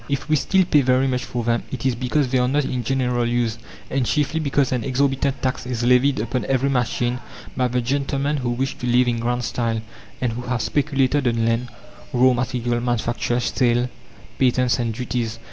If we still pay very much for them, it is because they are not in general use, and chiefly because an exorbitant tax is levied upon every machine by the gentlemen who wish to live in grand style and who have speculated on land, raw material, manufacture, sale, patents, and duties.